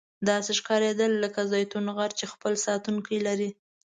داسې ښکاریدل لکه زیتون غر چې خپل ساتونکي لري.